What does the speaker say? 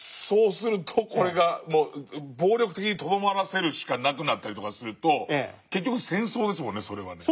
そうするとこれが暴力的にとどまらせるしかなくなったりとかすると結局戦争ですもんねそれは。